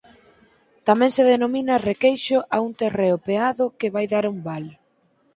Tamén se denomina requeixo a un terreo peado que vai dar a un val.